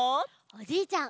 おじいちゃん